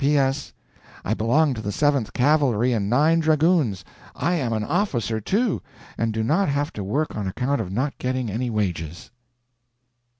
P.S.—I belong to the Seventh Cavalry and Ninth Dragoons, I am an officer, too, and do not have to work on account of not getting any wages.